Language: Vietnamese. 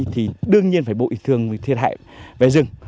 thì đương nhiên phải bội thường thiệt hại về rừng